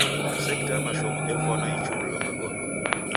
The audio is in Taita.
Sekta ya mashomo efwana ichurilo magome.